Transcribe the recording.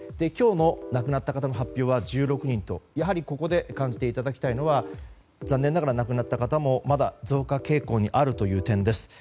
今日の亡くなった方の発表は１６人とここで感じていただきたいのは残念ながら亡くなった方も増加傾向にあるという点です。